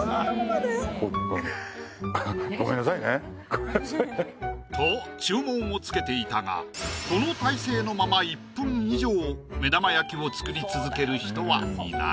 こうふふっと注文をつけていたがこの体勢のまま１分以上目玉焼きを作り続ける人はいない。